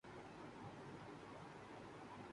ایسے کسی قانون کا ذکر نہ تھا۔